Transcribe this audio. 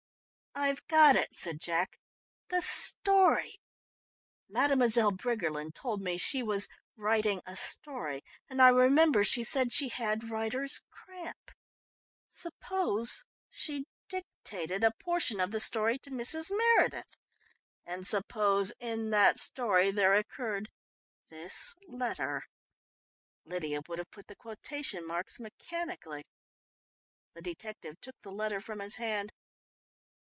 "I've got it," said Jack. "The story! Mademoiselle Briggerland told me she was writing a story, and I remember she said she had writer's cramp. Suppose she dictated a portion of the story to Mrs. Meredith, and suppose in that story there occurred this letter: Lydia would have put the quotation marks mechanically." The detective took the letter from his hand.